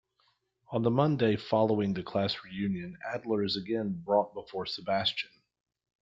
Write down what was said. On the Monday following the class reunion, Adler is again brought before Sebastian.